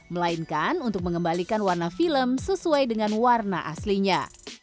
melainkan untuk mengembalikan warna film sesuai dengan warna aslinya